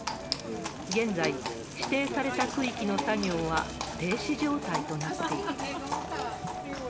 現在、指定された区域の作業は停止状態となっている。